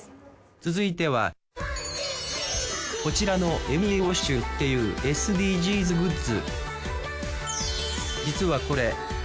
続いてはこちらのエミーウォッシュっていうＳＤＧｓグッズ。